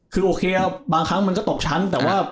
คือโอเคบางครั้งมันก็ตกชั้นแต่ว่า